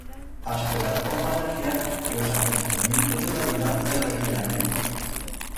Asperará con pacencia que els acontecimientos de la vida el recllamen.